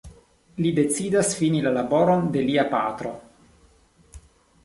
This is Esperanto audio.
Li decidas fini la laboron de lia patro.